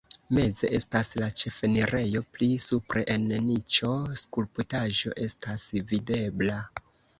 Meze estas la ĉefenirejo, pli supre en niĉo skulptaĵo estas videbla.